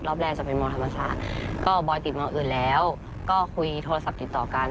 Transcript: รอบแรกจะเป็นมธรรมศาสตร์ก็บอยติดมอื่นแล้วก็คุยโทรศัพท์ติดต่อกัน